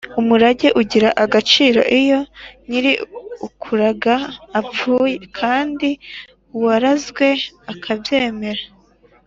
umurage ugira agaciro iyo nyir’ukuraga apfuye kandi uwarazwe akabyemera.